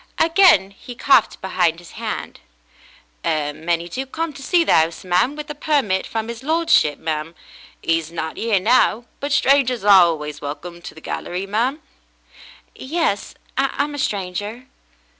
Again he coughed behind his hand. *' A many do come to see the 'ouse, ma'm, with a permit from 'is lordship, ma'm. 'E's not 'ere now, but strangers are halways welcome — to the gallery, ma'm." "Yes, I'm a stranger.'